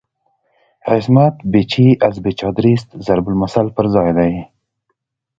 "عصمت بی چه از بی چادریست" ضرب المثل پر ځای دی.